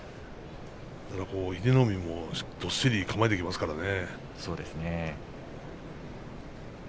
英乃海もどっしり構えていますからね。